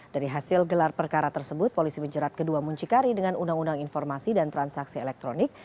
dari hasil gelar perkara tersebut polisi menjerat kedua muncikari dengan undang undang informasi dan transaksi elektronik